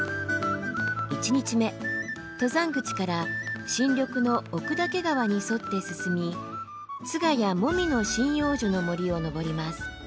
１日目登山口から新緑の奥岳川に沿って進みツガやモミの針葉樹の森を登ります。